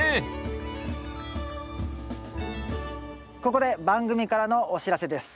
ここで番組からのお知らせです。